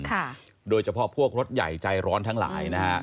ค่ะโดยเฉพาะพวกรถใหญ่ใจร้อนทั้งหลายนะฮะ